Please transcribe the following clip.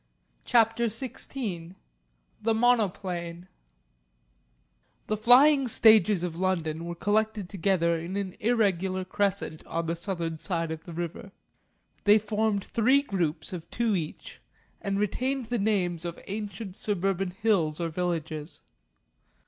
CHAPTER XVI THE MONOPLANE The Flying Stages of London were collected together in an irregular crescent on the southern side of the river. They formed three groups of two each and retained the names of ancient suburban hills or villages.